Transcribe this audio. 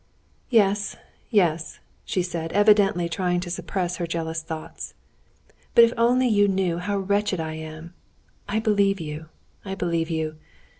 "Yes, yes," she said, evidently trying to suppress her jealous thoughts. "But if only you knew how wretched I am! I believe you, I believe you....